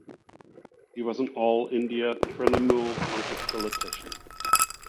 He was an All India Trinamool Congress politician.